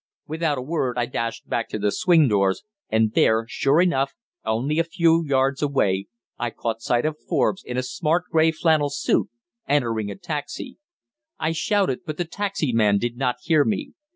Without a word I dashed back to the swing doors, and there, sure enough, only a few yards away, I caught sight of Forbes, in a smart grey flannel suit, entering a taxi. I shouted, but the taxi man did not hear me.